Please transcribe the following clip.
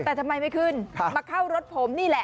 แต่ทำไมไม่ขึ้นมาเข้ารถผมนี่แหละ